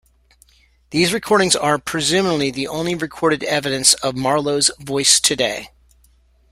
These recordings are presumably the only recorded evidence of Marlowe's voice today.